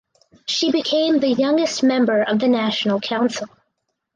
She became the youngest member of the National Council.